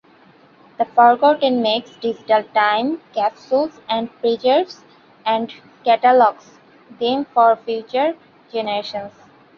Not Forgotten makes digital Time Capsules and preserves and catalogs them for future generations.